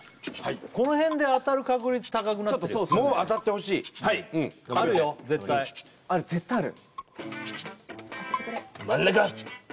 この辺で当たる確率高くなってるもう当たってほしいはい頑張りますあるよ絶対ある絶対ある真ん中！